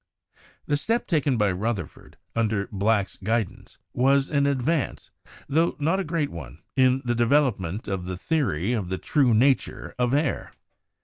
The step taken by Rutherford, under Black's guidance, was an advance, though not a great one, in the development of the theory of the true nature of air.